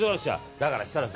だから設楽君